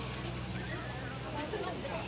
สวัสดีครับทุกคน